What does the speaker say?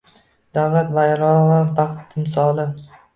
Davlat bayrog‘i – baxt timsoli